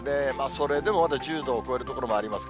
それでも１０度を超える所もあります。